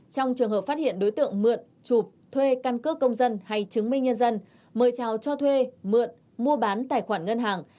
trong trường hợp phát hiện đối tượng mượn chụp thuê căn cước công dân hay chứng minh nhân dân mời trào cho thuê mượn mua bán tài khoản ngân hàng